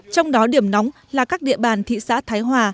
trong đó điểm nóng là các địa bàn thị xã thái hòa